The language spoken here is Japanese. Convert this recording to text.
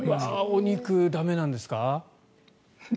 お肉駄目なんですか？